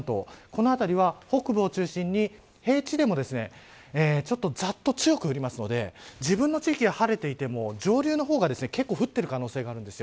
この辺りは北部を中心に平地でもざっと強く降るので自分の地域が晴れていても上流の方が結構降っている可能性があるんです。